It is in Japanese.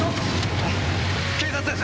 警察です。